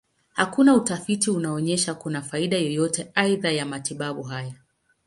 Hakuna utafiti unaonyesha kuna faida yoyote aidha ya matibabu haya.